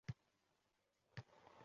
Psixolog bilan doimiy aloqa o‘rnating